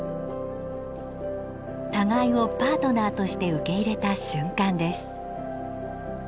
互いをパートナーとして受け入れた瞬間です。